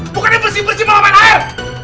bukannya bersih bersih malam air